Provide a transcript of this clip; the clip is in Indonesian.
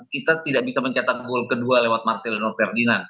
kita tidak bisa mencetak gol kedua lewat marcelino ferdinand